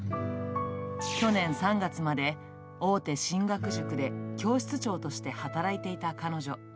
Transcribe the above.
去年３月まで大手進学塾で教室長として働いていた彼女。